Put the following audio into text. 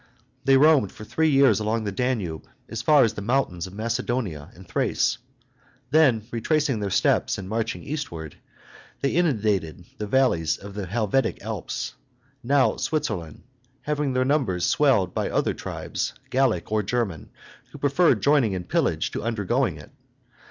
They roamed for three years along the Danube, as far as the mountains of Macedonia and Thrace. Then retracing their steps, and marching eastward, they inundated the valleys of the Helvetic Alps, now Switzerland, having their numbers swelled by other tribes, Gallic or German, who preferred joining in pillage to undergoing it.